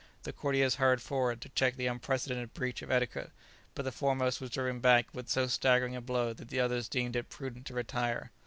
The courtiers hurried forward to check the unprecedented breach of etiquette, but the foremost was driven back with so staggering a blow that the others deemed it prudent to retire.